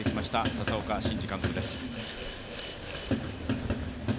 佐々岡真司監督です。